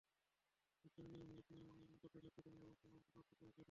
এতে অনিয়ম হলে পক্ষাঘাত, খিঁচুনি এবং কোমার মতো মারাত্মক পরিণতি হতে পারে।